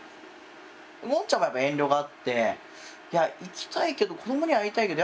ゴンちゃんもやっぱり遠慮があって行きたいけど子どもには会いたいけど